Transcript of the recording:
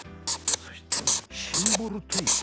そしてシンボルツリー。